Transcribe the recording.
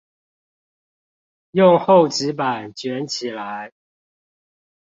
用厚紙板捲起來